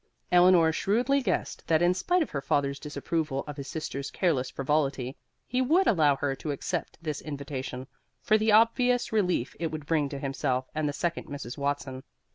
Eleanor shrewdly guessed that in spite of her father's disapproval of his sister's careless frivolity, he would allow her to accept this invitation, for the obvious relief it would bring to himself and the second Mrs. Watson.